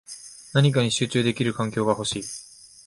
何かに集中できる環境が欲しい